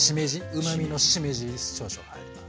うまみのしめじ少々入ります。